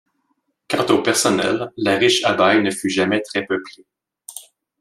Quant au personnel, la riche abbaye ne fut jamais très peuplée.